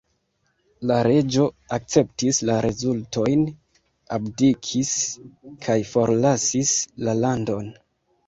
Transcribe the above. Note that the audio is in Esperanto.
La reĝo akceptis la rezultojn, abdikis kaj forlasis la landon.